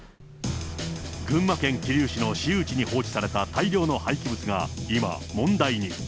群馬県桐生市の私有地に放置された大量の廃棄物が今、問題に。